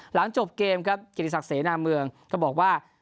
หลังจบเกมครับเกียรติศักดิเสนาเมืองก็บอกว่า